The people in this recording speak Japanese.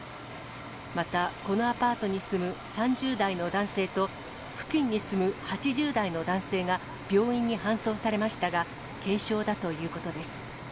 また、このアパートに住む３０代の男性と、付近に住む８０代の男性が病院に搬送されましたが、軽傷だということです。